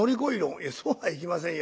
「いやそうはいきませんよ。